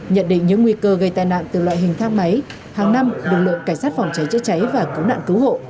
nhận định những nguy cơ gây tai nạn từ loại hình thang máy hàng năm đồng lộ cảnh sát phòng cháy chế cháy và cứu nạn cứu hộ